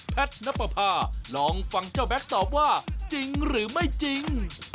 แพทนัพพาลองฟังเจ้าแบล็คตอบว่าจริงหรือไม่จริง